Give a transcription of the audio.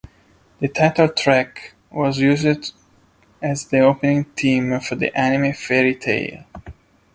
The title track was used as the opening theme for the anime "Fairy Tail".